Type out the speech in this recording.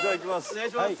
お願いします